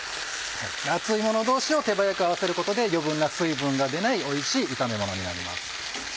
熱いもの同士を手早く合わせることで余分な水分が出ないおいしい炒めものになります。